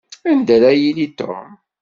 Anda ara yili Tom?